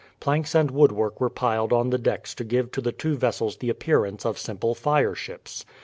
Planks and woodwork were piled on the decks to give to the two vessels the appearance of simple fireships.